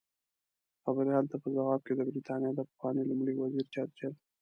خبریال ته په ځواب کې د بریتانیا د پخواني لومړي وزیر چرچل